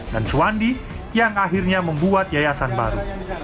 dan suandi yang akhirnya membuat yayasan baru